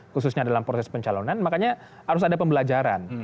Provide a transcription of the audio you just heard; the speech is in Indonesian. khususnya dalam proses pencalonan makanya harus ada pembelajaran